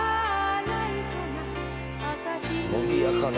「伸びやかな」